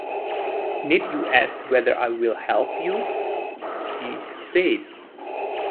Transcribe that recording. “Need you ask whether I will help you?” she said.